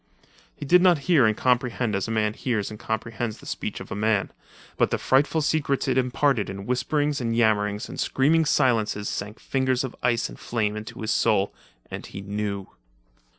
He did not hear and comprehend as a man hears and comprehends the speech of a man, but the frightful secrets it imparted in whisperings and yammerings and screaming silences sank fingers of ice into his soul, and he knew.